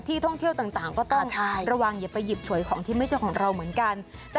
ท่องเที่ยวต่างก็ต้องระวังอย่าไปหยิบฉวยของที่ไม่ใช่ของเราเหมือนกัน